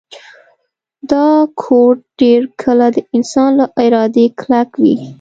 دا کوډ ډیر کله د انسان له ارادې کلک وي